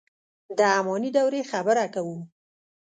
د اماني دورې خبره کوو.